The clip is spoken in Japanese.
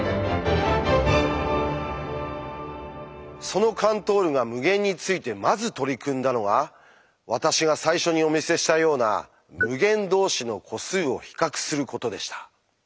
そのカントールが無限についてまず取り組んだのが私が最初にお見せしたような「無限同士の個数を比較する」ことでした。